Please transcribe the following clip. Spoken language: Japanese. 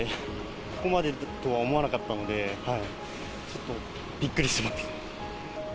ここまでだとは思わなかったので、ちょっとびっくりしてます。